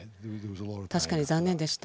確かに残念でした。